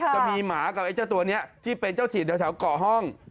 จะมีหมากับไอ้เจ้าตัวนี้ที่เป็นเจ้าถิ่นแถวเกาะห้อง